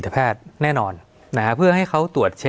สวัสดีครับทุกผู้ชม